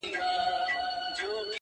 • دپښتون قام به ژوندی وي -